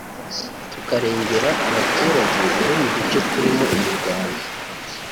tukarengera abaturage bari mu duce turimo imirwano